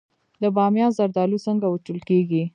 د بامیان زردالو څنګه وچول کیږي؟